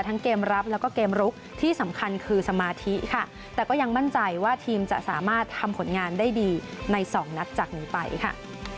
เกมรับแล้วก็เกมลุกที่สำคัญคือสมาธิค่ะแต่ก็ยังมั่นใจว่าทีมจะสามารถทำผลงานได้ดีในสองนัดจากนี้ไปค่ะ